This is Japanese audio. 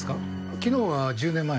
昨日は１０年前の事を。